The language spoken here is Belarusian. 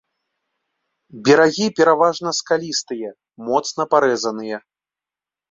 Берагі пераважна скалістыя, моцна парэзаныя.